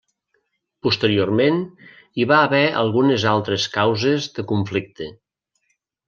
Posteriorment hi va haver algunes altres causes de conflicte.